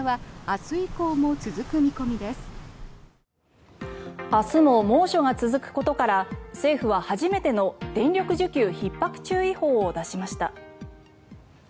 明日も猛暑が続くことから政府は初めての電力需給ひっ迫注意報を出しました。